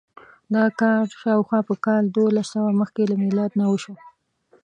دا کار شاوخوا په کال دوولسسوه مخکې له میلاد نه وشو.